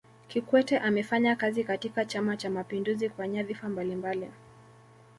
kikwete amefanya kazi katika chama cha mapinduzi kwa nyadhifa mbalimbali